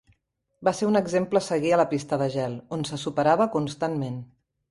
Va ser un exemple a seguir a la pista de gel, on se superava constantment.